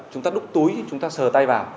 chúng ta đúc túi chúng ta sờ tay vào